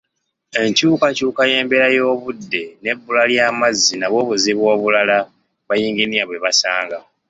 Enkyukakyuka y'embeera y'obudde n'ebbula ly'amazzi nabwo buzibu obulala bayinginiya bwe basanga.